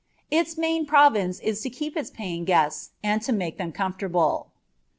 Its main province is to keep its paying guests and to make them comfortable.